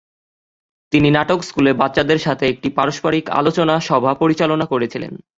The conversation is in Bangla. তিনি নাটক স্কুলে বাচ্চাদের সাথে একটি পারস্পরিক আলোচনা সভা পরিচালনা করেছিলেন।